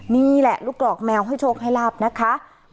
นี่แหละลูกกรอกแมวให้โชคให้ลาบนะคะ